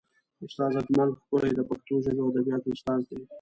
استاد اجمل ښکلی د پښتو ژبې او ادبیاتو استاد دی.